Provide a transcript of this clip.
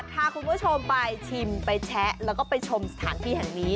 พาคุณผู้ชมไปชิมไปแชะแล้วก็ไปชมสถานที่แห่งนี้